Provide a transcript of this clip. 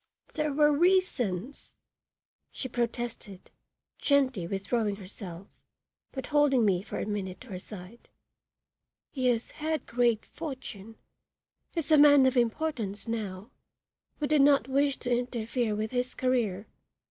"There were reasons," she protested, gently withdrawing herself, but holding me for a minute to her side. "He has had great fortune is a man of importance now we did not wish to interfere with his career.